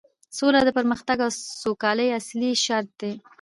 سوله د پرمختګ او سوکالۍ اصلي شرط دی